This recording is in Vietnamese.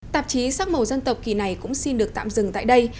tạp chí sắc màu dân tộc kỳ này cũng xin được tạm dừng tại đây